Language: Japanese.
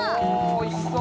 おいしそう！